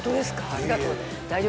ありがとう。